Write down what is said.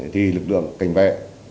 thì lực lượng cảnh vệ